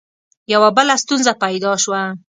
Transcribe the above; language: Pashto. یوه بله ستونزه پیدا شوه.